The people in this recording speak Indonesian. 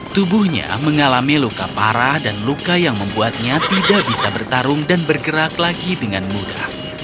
tubuhnya mengalami luka parah dan luka yang membuatnya tidak bisa bertarung dan bergerak lagi dengan mudah